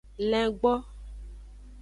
Lengbo.